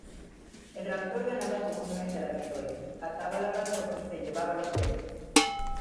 El raptor ganaba comúnmente la victoria, ataba al labrador y se llevaba los bueyes.